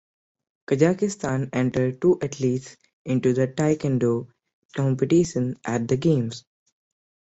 Kazakhstan entered two athletes into the taekwondo competition at the Games.